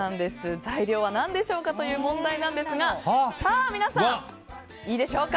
材料は何でしょうかという問題なんですが皆さん、いいでしょうか。